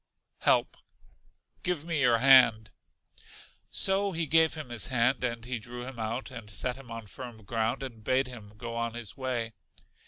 Help. Give me your hand. So he gave him his hand, and he drew him out, and set him on firm ground, and bade him go on his way.